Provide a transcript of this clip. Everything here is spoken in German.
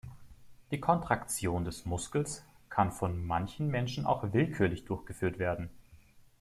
Die Kontraktion des Muskels kann von manchen Menschen auch willkürlich durchgeführt werden.